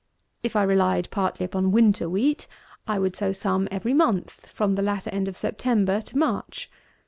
If I relied partly upon winter wheat, I would sow some every month, from the latter end of September to March.